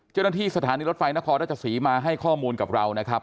เจ้าหน้าที่สถานีรถไฟนครราชสีมาให้ข้อมูลกับเรานะครับ